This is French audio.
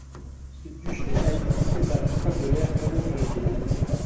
Ce duché a existé vers la fin de l'ère mérovingienne.